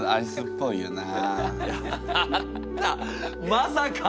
まさか！